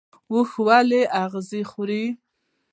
اوښ ولې اغزي خوري؟